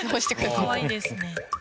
可愛いですね。